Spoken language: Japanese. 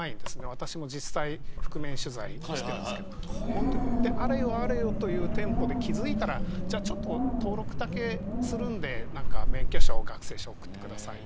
私も覆面取材したんですけどあれよ、あれよというテンポで気づいたら登録だけするので免許証、学生証送ってください。